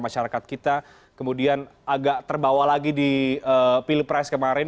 masyarakat kita kemudian agak terbawa lagi di pilpres kemarin